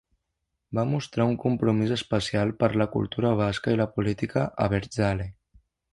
Va mostrar un compromís especial per la cultura basca i la política abertzale.